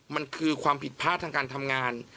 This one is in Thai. มันคือความผิดพลาดทางการทำงาน